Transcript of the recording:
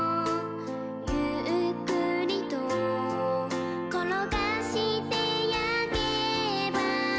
「ゆっくりところがして焼けば」